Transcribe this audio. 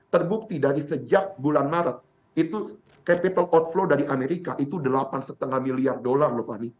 terbukti dari sejak bulan maret itu capital outflow dari amerika itu delapan lima miliar dolar loh fani